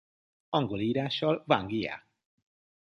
Angol írással Wang Jia.